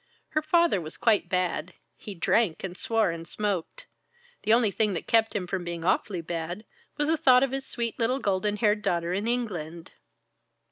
Her father was quite bad. He drank and swore and smoked. The only thing that kept him from being awfully bad, was the thought of his sweet little golden haired daughter in England."